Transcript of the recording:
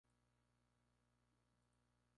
Juega actualmente en la Tercera División Española.